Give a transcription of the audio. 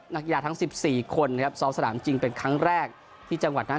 นักกีฬาทั้ง๑๔คนนะครับซ้อมสนามจริงเป็นครั้งแรกที่จังหวัดนั้น